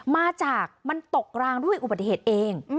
มาจากมันตกรางด้วยอุบัติเหตุเอง